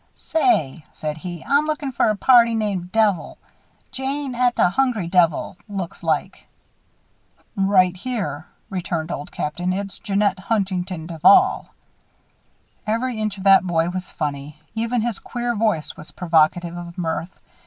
"Say," said he, "I'm looking for a party named 'Devil' Jane et a Hungry Devil, looks like." "Right here," returned Old Captain. "It's Jeannette Huntington Duval." Every inch of that boy was funny. Even his queer voice was provocative of mirth.